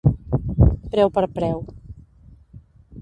Preu per preu.